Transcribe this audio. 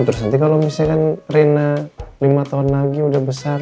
terus nanti kalau misalkan rena lima tahun lagi udah besar